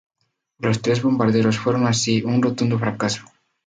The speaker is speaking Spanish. Los tres bombardeos fueron así un rotundo fracaso.